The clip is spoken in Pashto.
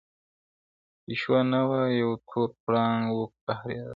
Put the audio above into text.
پيشو نه وه يو تور پړانگ وو قهرېدلى؛